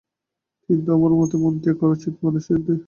কিন্তু আমার মতে, বন ত্যাগ করা উচিত মানুষদের।